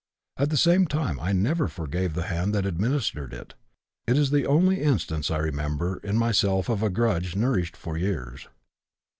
At the same time I never forgave the hand that administered it; it is the only instance I remember in myself of a grudge nourished for years.